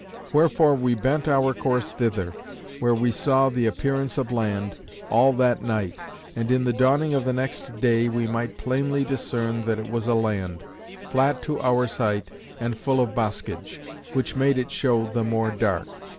Wherefore we bent our course thither, where we saw the appearance of land, all that night; and in the dawning of the next day, we might plainly discern that it was a land; flat to our sight, and full of boscage; which made it show the more dark.